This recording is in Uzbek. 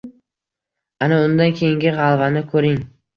Ana undan keyingi g‘alvani ko‘ring